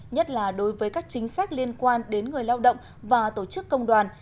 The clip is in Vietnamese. nhất là đối với các chính sách liên quan đến người lao động và tổ chức công đoàn